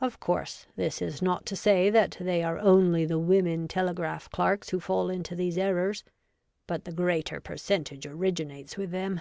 Of course this is not to say that they are only the women telegraph clerks who fall into these errors, but the greater percentage originates with them.